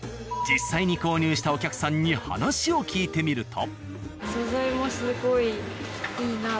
実際に購入したお客さんに話を聞いてみると。